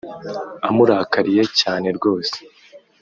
amurakariye cyane rwose